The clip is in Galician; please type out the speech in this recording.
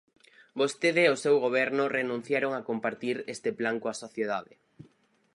Vostede, e o seu goberno, renunciaron a compartir este plan coa sociedade.